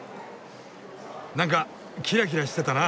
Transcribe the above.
なんかキラキラしてたな！